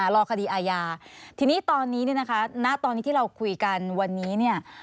รอคดีอาญาทีนี้ตอนนี้เนี่ยนะคะณตอนนี้ที่เราคุยกันวันนี้เนี่ย